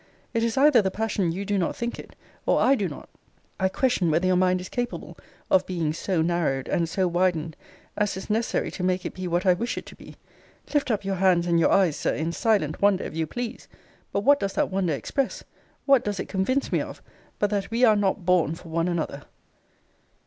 It is either the passion you do not think it, or I do not. I question whether your mind is capable of being so narrowed and so widened, as is necessary to make it be what I wish it to be. Lift up your hands and your eyes, Sir, in silent wonder, if you please; but what does that wonder express, what does it convince me of, but that we are not born for one another.